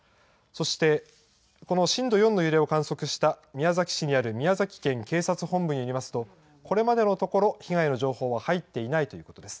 そして、この震度４の揺れを観測した宮崎市にある宮崎県警察本部によりますと、これまでのところ、被害の情報は入っていないということです。